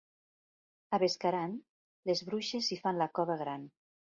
A Bescaran les bruixes hi fan la cova gran.